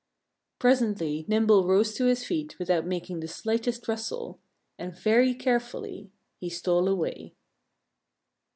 Presently Nimble rose to his feet, without making the slightest rustle. And very carefully he stole away.